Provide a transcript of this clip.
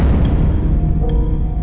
terima kasih roy